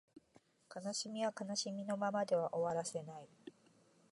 悲しみは悲しみのままでは終わらせない